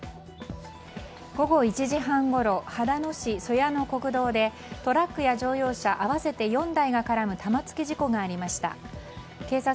午後１時半ごろ秦野市曽屋の国道でトラックや乗用車合わせて４台が絡む玉突き事故がありました。